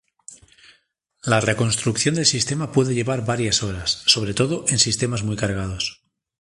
La reconstrucción del sistema puede llevar varias horas, sobre todo en sistemas muy cargados.